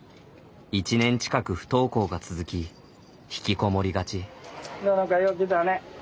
１年近く不登校が続き引きこもりがち。ののかよう来たね。